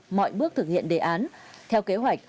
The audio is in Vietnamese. mọi bước thực hiện đề án theo kế hoạch